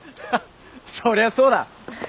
そりゃそうだ。